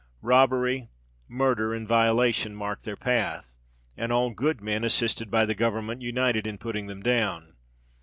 Robbery, murder, and violation marked their path; and all good men, assisted by the government, united in putting them down.